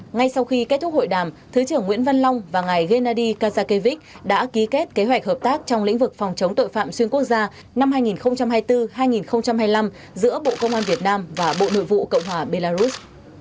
ngài gennady kazakevich đã ký kết kế hoạch hợp tác trong lĩnh vực phòng chống tội phạm xuyên quốc gia năm hai nghìn hai mươi bốn hai nghìn hai mươi năm giữa bộ công an việt nam và bộ nội vụ cộng hòa belarus